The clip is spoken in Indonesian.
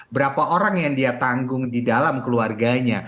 berapa orang yang dia tanggung di dalam keluarganya